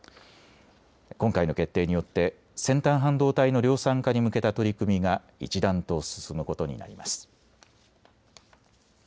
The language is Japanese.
今回の決定によって先端半導体の量産化に向けた取り組みが一段と進むことになります。